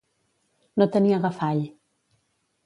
No tenir agafall.